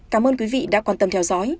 cảm ơn quý vị đã quan tâm theo dõi